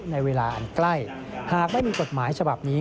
ในเวลาอันใกล้หากไม่มีกฎหมายฉบับนี้